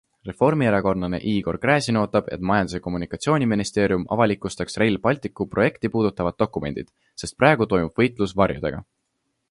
Reformierakondlane Igor Gräzin ootab, et majandus- ja kommunikatsiooniministeerium avalikustaks Rail Balticu projekti puudutavad dokumendid, sest praegu toimub võitlus varjudega.